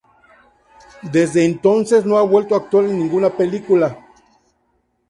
Desde entonces no ha vuelto a actuar en ninguna película.